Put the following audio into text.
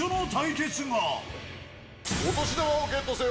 お年玉をゲットせよ！